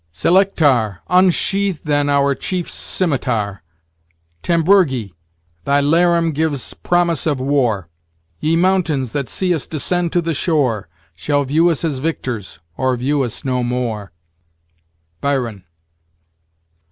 "Selictar! unsheathe then our chief's scimetar; Tambourgi! thy 'larum gives promise of war; Ye mountains! that see us descend to the shore, Shall view us as victors, or view us no more." Byron.